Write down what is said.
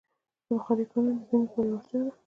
د بخارۍ کارونه د ځینو لپاره یوه اړتیا ده.